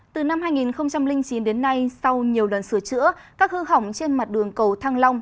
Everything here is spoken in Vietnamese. từ năm hai nghìn chín đến nay sau nhiều đoạn sửa chữa các hư hỏng trên mặt đường cầu thăng long